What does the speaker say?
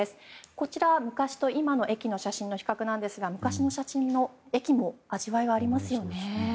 こちらは昔と今の駅の写真の比較なんですが、昔の写真の駅も味わいがありますよね。